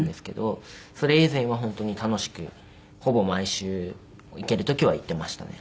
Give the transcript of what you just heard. それ以前は本当に楽しくほぼ毎週行ける時は行っていましたね。